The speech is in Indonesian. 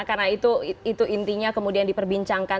karena itu intinya kemudian diperbincangkan